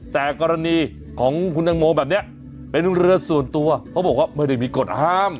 แต่กรณีของคุณตังโมแบบนี้เป็นเรือส่วนตัวเขาบอกว่าไม่ได้มีกฎห้าม